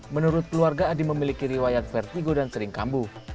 menurut keluarga adi memiliki riwayat vertigo dan sering kambuh